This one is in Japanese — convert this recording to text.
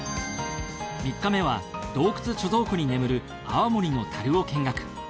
３日目は洞窟貯蔵庫に眠る泡盛の樽を見学。